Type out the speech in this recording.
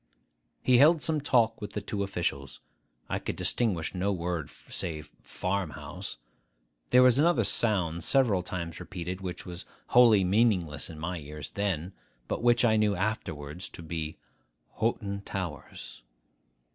He held some talk with the two officials. I could distinguish no word save 'Farm house.' There was another sound several times repeated, which was wholly meaningless in my ears then, but which I knew afterwards to be 'Hoghton Towers.